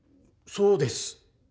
そうです！